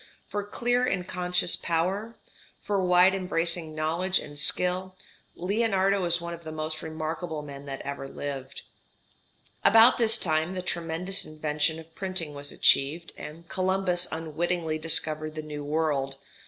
For clear and conscious power, for wide embracing knowledge and skill, Leonardo is one of the most remarkable men that ever lived. About this time the tremendous invention of printing was achieved, and Columbus unwittingly discovered the New World.